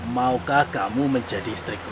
maukah kamu menjadi istriku